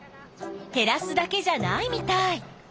へらすだけじゃないみたい。